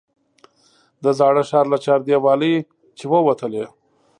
د زاړه ښار له چاردیوالۍ چې ووتلې.